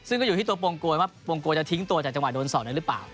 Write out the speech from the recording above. ซึ่งก็อยู่ที่ตัวปวงโกยว่าปวงโกยจะทิ้งตัวจากจังหวะโดนศอกนั้นหรือเปล่า